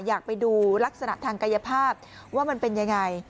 อยากไปดูลักษณะทางกายภาพว่ามันเป็นยังไง